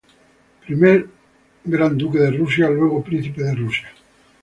Primero Gran Duque de Rusia, luego Príncipe de Rusia.